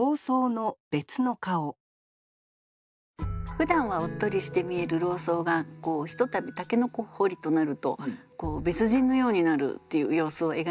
ふだんはおっとりして見える老僧がひとたび筍掘りとなると別人のようになるっていう様子を描いたものだと思います。